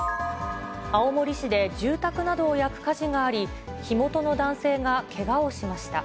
青森市で住宅などを焼く火事があり、火元の男性がけがをしました。